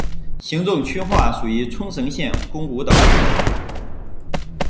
行政区划属于冲绳县宫古岛市。